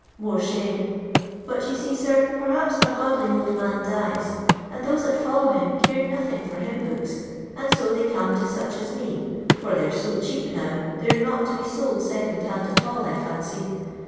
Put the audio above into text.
More shame ; but you see, sir, perhaps a godly old man dies, and those that follow him care nothing for hvmn books, and so they come to such as me, for they 're so cheap now they 're not to be sold second hand at all, I fancy.